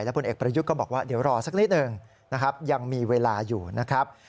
ผลเอกประยุทธ์ก็บอกว่าเดี๋ยวรอสักนิดหนึ่งนะครับยังมีเวลาอยู่นะครับ